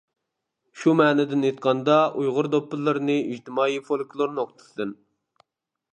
شۇ مەنىدىن ئېيتقاندا، ئۇيغۇر دوپپىلىرىنى ئىجتىمائىي فولكلور نۇقتىسىدىن.